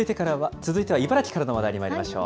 続いては茨城からの話題にまいりましょう。